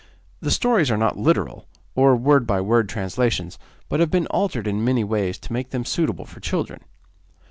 The stories are not literal, or word by word translations, but have been altered in many ways to make them suitable for children.